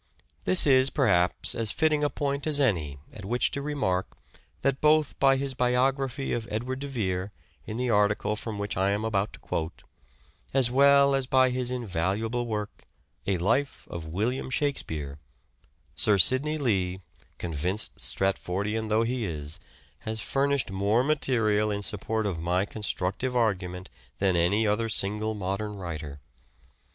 This is perhaps as fitting a point as any at which to remark that, both by his biography of Edward de Vere in the article from which I am about to quote, as well as by his invaluable work, "A Life of William Shakespeare," Sir Sidney Lee, convinced Stratfordian though he is, has furnished more material in support of my constructive argument than any other single modern writer.